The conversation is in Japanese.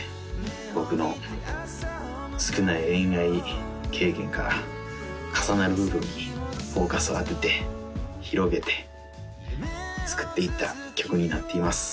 僕の少ない恋愛経験から重なる部分にフォーカスを当てて広げて作っていった曲になっています